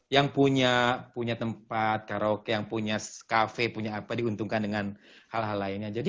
yang punya punya tempat karoke yang punya cafe punya ini menguntungkan dengan hal hal lainnya jadi